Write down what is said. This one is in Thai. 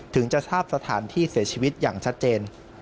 ถึงจะทราบสถานที่เสียชีวิตอย่างชัดเจน